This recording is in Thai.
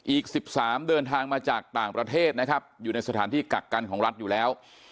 อีก๑๓เดินทางมาจากต่างประเทศนะครับอยู่ในสถานที่กักกันของรัฐอยู่แล้ว